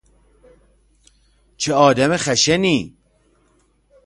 چه آدم خشنی!